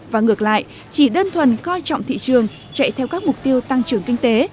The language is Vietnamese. và ngược lại chỉ đơn thuần coi trọng thị trường chạy theo các mục tiêu tăng trưởng kinh tế